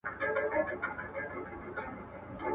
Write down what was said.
هغه سیمه چي د مورخینو په وینا جغرافیه یې ډېره پراخه وه،